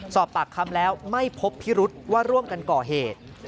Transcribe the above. สอบปากคำแล้วไม่พบพิรุษว่าร่วมกันก่อเหตุ